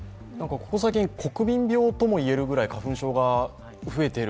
ここ最近、国民病といえるくらい花粉症が増えている。